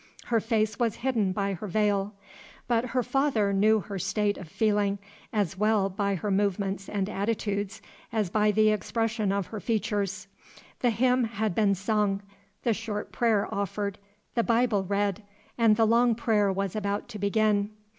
Her face was hidden by her veil; but her father knew her state of feeling, as well by her movements and attitudes as by the expression of her features. The hymn had been sung, the short prayer offered, the Bible read, and the long prayer was about to begin.